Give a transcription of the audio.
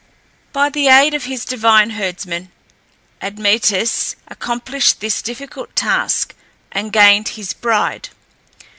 By the aid of his divine herdsman, Admetus accomplished this difficult task, and gained his bride.